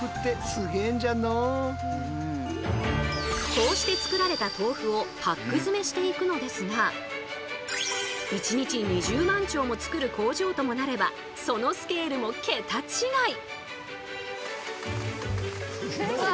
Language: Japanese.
こうして作られた豆腐をパック詰めしていくのですがともなればそのスケールも桁違い！